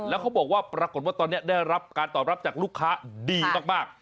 แล้วเขาบอกว่าปรากฏว่าตอนนี้ได้รับการตอบรับจากลูกค้าดีมาก